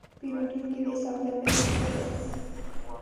پیرودونکی د سوداګرۍ زړه دی.